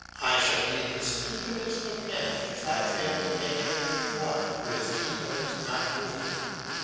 I shall be the stupidest of men if I fail to make him in love with he knows not whom.